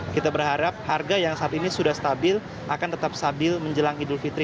kita berharap harga yang saat ini sudah stabil akan tetap stabil menjelang idul fitri